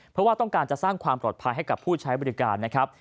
เพราะว่าต้องการจะสร้างความปลอดภัยให้กับผู้ใช้บริการนะครับ